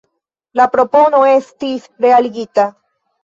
La propono estis realigita.